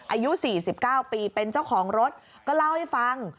อายุ๔๙ปีเป็นเจ้าของรถก็เล่าให้ฟัง